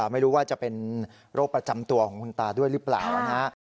ไม่รู้ว่าจะเป็นโรคประจำตัวของคุณตาด้วยหรือเปล่านะฮะ